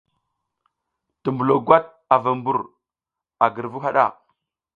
Tumbulo gwat a vu mbur a girvu haɗa.